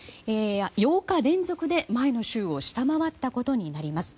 ８日連続で、前の週を下回ったことになります。